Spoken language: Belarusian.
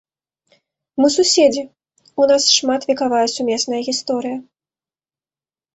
Мы суседзі, у нас шматвекавая сумесная гісторыя.